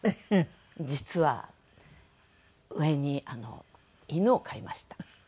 「実は上にあの犬を飼いました」。